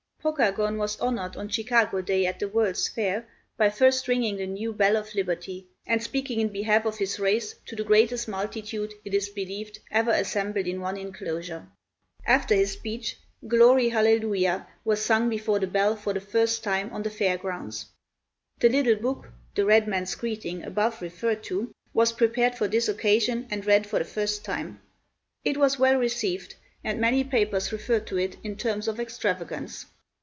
Pokagon was honored on Chicago Day at the World's Fair by first ringing the new Bell of Liberty and speaking in behalf of his race to the greatest multitude, it is believed, ever assembled in one inclosure. After his speech, "Glory Hallelujah" was sung before the bell for the first time on the fair grounds. The little book, "The Red Man's Greeting," above referred to, was prepared for this occasion and read for the first time. It was well received, and many papers referred to it in terms of extravagance.